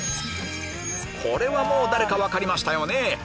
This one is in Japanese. これはもう誰か分かりましたよね？